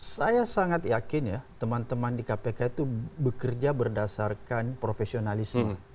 saya sangat yakin ya teman teman di kpk itu bekerja berdasarkan profesionalisme